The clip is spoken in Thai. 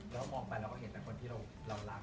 แล้วมองไปเราก็เห็นแต่คนที่เรารัก